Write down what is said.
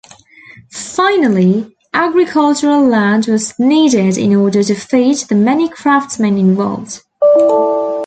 Finally, agricultural land was needed in order to feed the many craftsmen involved.